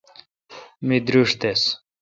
می درݭ تس۔